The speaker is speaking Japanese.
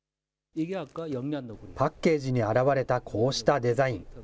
パッケージに表れたこうしたデザイン。